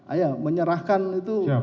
ayo menyerahkan itu